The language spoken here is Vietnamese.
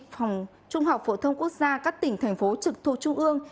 phòng trung học phổ thông quốc gia các tỉnh thành phố trực thuộc trung ương